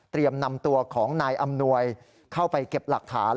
นำตัวของนายอำนวยเข้าไปเก็บหลักฐาน